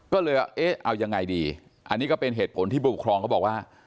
ก็เลยเอ๊ะเอายังไงดีอันนี้ก็เป็นเหตุผลที่ผู้ปกครองเขาบอกว่า